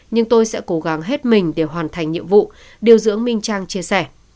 nhưng tôi sẽ cố gắng hết mình để hoàn thành nhiệm vụ điều dưỡng minh trang chia sẻ